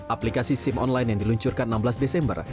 aplikasi sim online yang diluncurkan enam belas desember